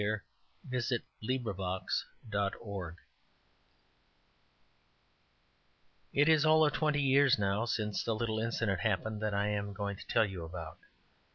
'" A MIDSUMMER NIGHT'S TRIP It is all of twenty years now since the little incident happened that I am going to tell you about.